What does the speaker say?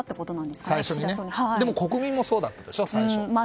でも、国民もそうだったでしょ。